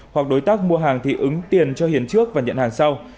hoặc đối tác mua hàng thì ứng tiền cho hiền trước và nhận hàng sau